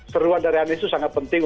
seruan dari anies itu sangat penting